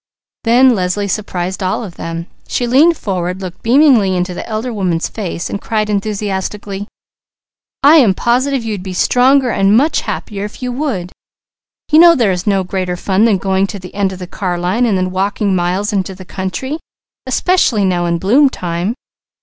Then Leslie surprised all of them. She leaned forward, looked beamingly into the elder woman's face and cried enthusiastically: "I am positive you'd be stronger, and much happier if you would! You know there is no greater fun than going to the end of the car line and then walking miles into the country, especially now in bloom time.